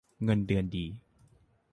เงินเดือนดี